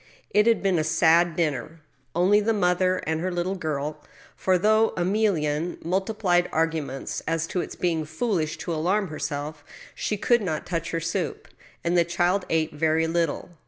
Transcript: It had been a sad dinner — only the mother and her little girl ; for, though Emilienne multiplied arguments as to its being foolish to alarm herself, she could not touch her soup, and the child ate very little.